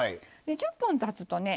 １０分たつとね。